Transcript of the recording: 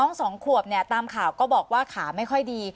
สองขวบเนี่ยตามข่าวก็บอกว่าขาไม่ค่อยดี